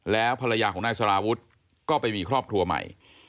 แล้วภรรยาของนายสารวุฒิก็ไปมีครอบครัวใหม่